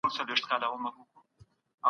بخښنه کول د زړورو خلګو کار دی.